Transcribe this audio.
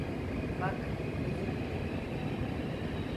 Bak, özür dilerim.